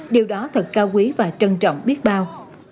điều đó thật cao quý và trân trọng biết bao